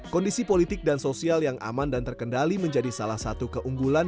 kondisi politik dan sosial yang aman dan terkendali menjadi salah satu keunggulan